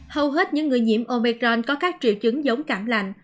hầu hết những người nhiễm omicron có các triệu chứng giống cảm lành